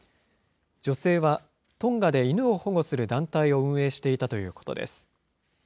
女性はトンガで犬を保護する団体を運営していたということです。